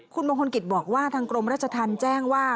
คุณมงคลกิจบอกว่าทางกรมราชธรรมแจ้งว่า